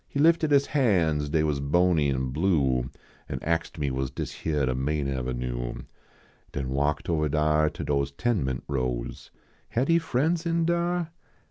lie lifted his han s, dav was bony an, blue, An axed me was dis hyar de main avenue, Den walked ovali dnr To dose ten ment rows. Had he friends in dar